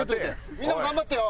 みんなも頑張ってよ！